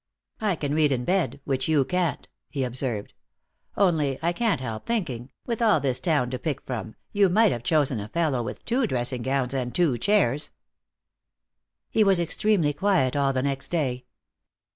"I can read in bed, which you can't," he observed. "Only, I can't help thinking, with all this town to pick from, you might have chosen a fellow with two dressing gowns and two chairs." He was extremely quiet all the next day.